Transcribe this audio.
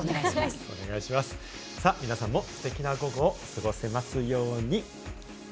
皆さんもステキな午後を過ごせますように。